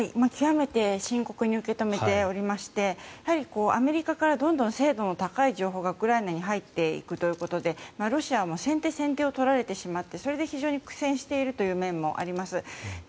極めて深刻に受け止めておりましてアメリカからどんどん精度の高い情報がウクライナに入っていくということでロシアも先手先手を取られてしまってそれで非常に苦戦している面もあります。